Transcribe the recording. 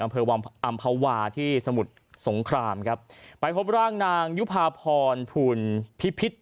อำเภอวังอำภาวาที่สมุทรสงครามครับไปพบร่างนางยุภาพรภูลพิพิษ